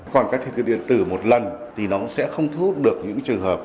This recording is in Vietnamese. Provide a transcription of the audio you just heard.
còn các thiết kế điện tử một lần thì nó sẽ không thu hút được những trường hợp